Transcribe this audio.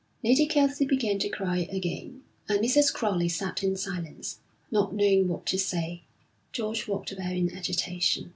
Lady Kelsey began to cry again, and Mrs. Crowley sat in silence, not knowing what to say. George walked about in agitation.